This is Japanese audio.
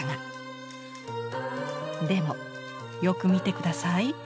でもよく見て下さい。